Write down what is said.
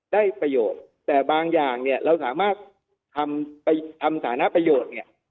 ได้ประโยชน์แต่บางอย่างเนี่ยเราสามารถทำไปทำสถานะประโยชน์เนี่ย